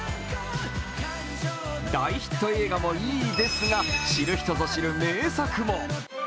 大ヒット映画もいいですが、知る人ぞ知る名作も。